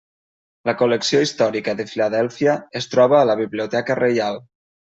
La col·lecció històrica de Filadèlfia es troba a la Biblioteca Reial.